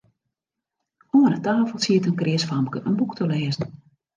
Oan 'e tafel siet in kreas famke in boek te lêzen.